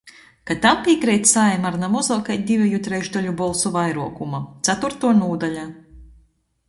Ka tam pīkreit Saeima ar na mozuok kai diveju trešdaļu bolsu vairuokuma. Catūrtuo nūdaļa.